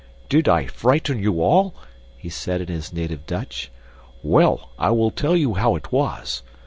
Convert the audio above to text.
"Did I frighten you all?" he said in his native Dutch. "Well, I will tell you how it was.